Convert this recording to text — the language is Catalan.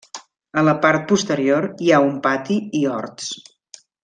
A la part posterior hi ha un pati i horts.